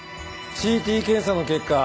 ＣＴ検査の結果